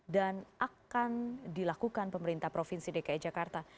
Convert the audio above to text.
dan akan dilakukan pemerintah provinsi dki jakarta